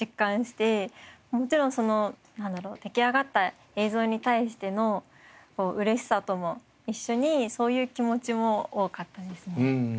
もちろんその出来上がった映像に対しての嬉しさとも一緒にそういう気持ちも多かったですね。